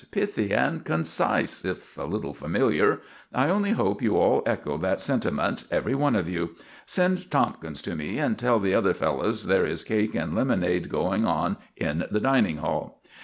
Pithy and concise if a little familiar. I only hope you all echo that sentiment every one of you. Send Tomkins to me, and tell the other fellows there is cake and lemonade going in the dining hall."